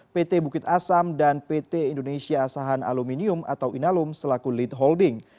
pt bukit asam dan pt indonesia asahan aluminium atau inalum selaku lead holding